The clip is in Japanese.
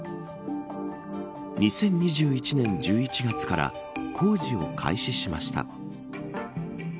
２０２１年１１月から工事を開始しました。